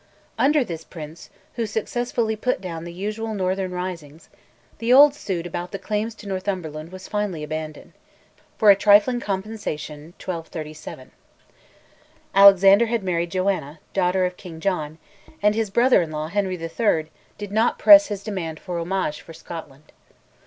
Under this Prince, who successfully put down the usual northern risings, the old suit about the claims to Northumberland was finally abandoned for a trifling compensation (1237). Alexander had married Joanna, daughter of King John, and his brother in law, Henry III., did not press his demand for homage for Scotland.